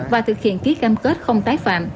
và thực hiện ký cam kết không tái phạm